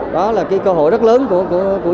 đó là cái cơ hội rất lớn của chúng ta